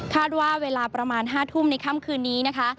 ว่าเวลาประมาณ๕ทุ่มในค่ำคืนนี้นะคะ